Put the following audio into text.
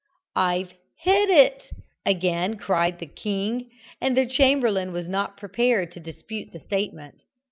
"I've hit it!" again cried the king and the Chamberlain was not prepared to dispute the statement.